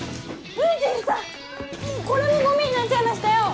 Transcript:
もうこれもゴミになっちゃいましたよ！